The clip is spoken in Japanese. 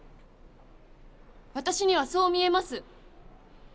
私にはそう見えます！